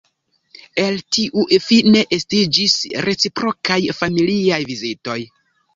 El tiuj fine estiĝis reciprokaj, familiaj vizitoj.